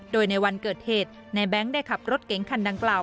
โดยในวันเกิดเหตุในแบงค์ได้ขับรถเก๋งคันดังกล่าว